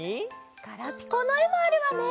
ガラピコのえもあるわね。